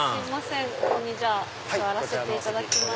ここに座らせていただきます。